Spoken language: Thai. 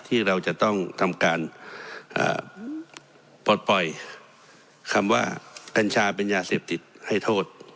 การอ่าปลอดปล่อยคำว่ากัญชาเป็นยาเสพติดให้โทษ